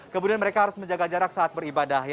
kemudian mereka harus menjaga jarak saat beribadah